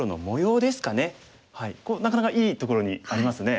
なかなかいいところにありますね。